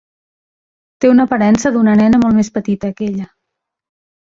Té una aparença d'una nena molt més petita que ella.